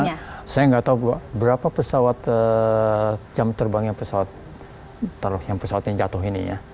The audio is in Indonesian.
karena saya nggak tahu berapa jam terbangnya pesawat yang jatuh ini ya